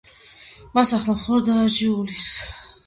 მას ახლა მხოლოდ დარაჯი უვლის.